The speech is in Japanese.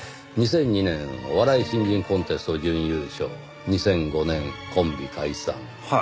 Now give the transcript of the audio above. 「２００２年お笑い新人コンテスト準優勝」「２００５年コンビ解散」へえ！